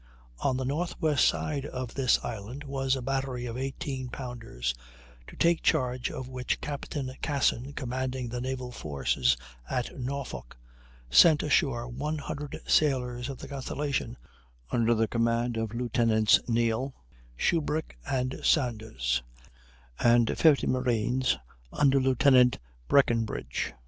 On the north west side of this island was a battery of 18 pounders, to take charge of which Captain Cassin, commanding the naval forces at Norfolk, sent ashore one hundred sailors of the Constellation, under the command of Lieutenants Neale, Shubrick, and Saunders, and fifty marines under Lieutenant Breckenbridge.